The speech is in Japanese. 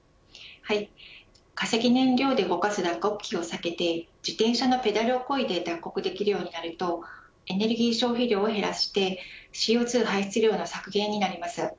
化石燃料で動かす脱穀機を避けて自転車のペダルをこいで脱穀できるようになるとエネルギー消費量を減らしてＣＯ２排出量の削減になります。